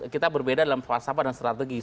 kita berbeda dalam falsafah dan strategi